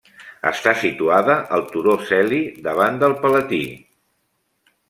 Està situada al turó Celi, davant del Palatí.